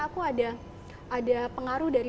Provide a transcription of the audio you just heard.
aku ada pengaruh dari